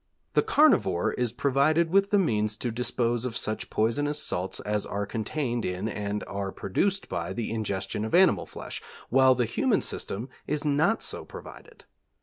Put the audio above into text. The carnivore is provided with the means to dispose of such poisonous salts as are contained in and are produced by the ingestion of animal flesh, while the human system is not so provided.